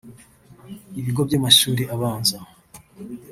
ibigo byamashuri abanza